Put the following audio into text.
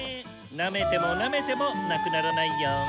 なめてもなめてもなくならないよ！